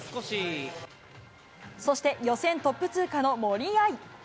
そして予選トップ通過の森秋彩。